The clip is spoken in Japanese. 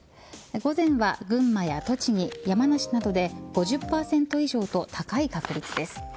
午前は群馬や栃木、山梨などで５０％以上と高い確率です。